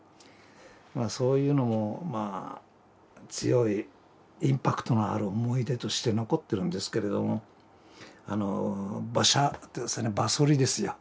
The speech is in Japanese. そういうのも強いインパクトのある思い出として残ってるんですけれども馬車って馬そりですよ。